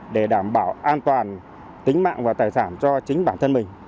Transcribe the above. để đảm bảo an toàn tính mạng và tài sản cho chính bản thân mình